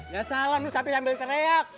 gak salam lo tapi ambil teriak